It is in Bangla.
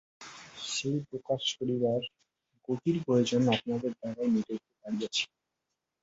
সেই প্রকাশ করিবার গভীর প্রয়োজন আপনাদের দ্বারাই মিটাইতে পারিয়াছি।